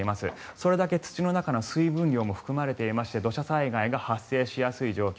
それだけ土の中の水分量も含まれていまして土砂災害が発生しやすい状況。